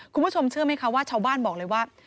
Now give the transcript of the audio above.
คุณผู้ชมเชื่อไหมคะว่าชาวบ้านบอกเลยว่า